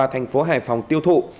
tp hcm và tp hcm tiêu thụ